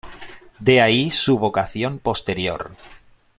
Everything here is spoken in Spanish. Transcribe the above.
De ahí su vocación posterior.